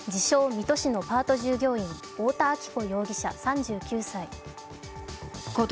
・水戸市のパート従業員太田亜紀子容疑者、３９歳。